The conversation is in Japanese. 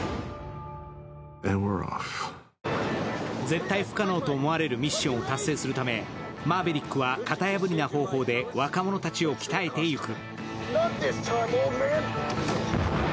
絶対不可能と思われるミッションを達成するためマーヴェリックは、型破りな方法で若者たちを鍛えていく。